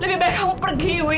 lebih baik kamu pergi